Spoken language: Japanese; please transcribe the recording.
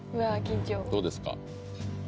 緊張どうですか？